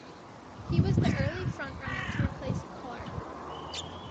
He was the early front-runner to replace Clark.